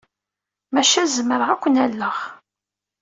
Maca zemreɣ ad ken-alleɣ.